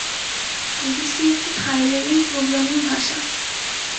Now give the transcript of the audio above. ABC একটি high level programming ভাষা।